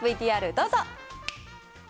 ＶＴＲどうぞ。